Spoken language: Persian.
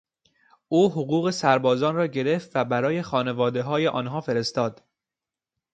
او حقوق سربازان را گرفت و برای خانوادههای آنها فرستاد.